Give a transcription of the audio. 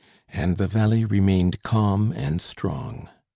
And the valley remained calm and strong.